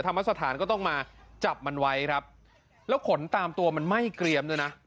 ธรรมสถานก็ต้องมาจับมันไว้ครับแล้วขนตามตัวมันไหม้เกรียมด้วยนะ